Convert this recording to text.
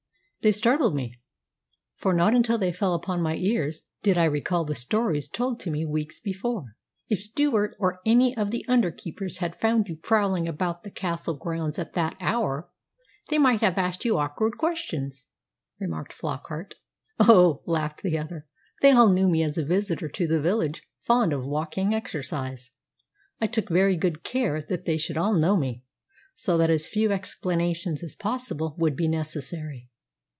They startled me, for not until they fell upon my ears did I recall the stories told to me weeks before." "If Stewart or any of the under keepers had found you prowling about the Castle grounds at that hour they might have asked you awkward questions," remarked Flockart. "Oh," laughed the other, "they all know me as a visitor to the village fond of walking exercise. I took very good care that they should all know me, so that as few explanations as possible would be necessary.